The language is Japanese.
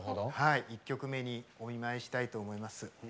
１曲目にお見舞いしたいと思います。